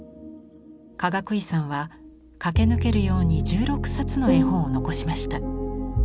かがくいさんは駆け抜けるように１６冊の絵本を残しました。